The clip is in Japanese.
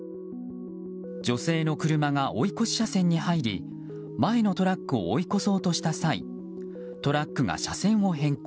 女性の車が追い越し車線に入り前のトラックを追い越そうとした際トラックが車線を変更。